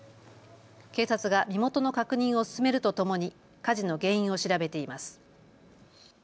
警察が身元の確認を進めるとともに火事の原因を調べています。